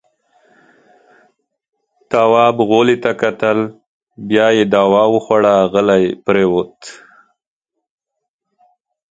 تواب غولي ته کتل. بيا يې دوا وخوړه، غلی پرېووت.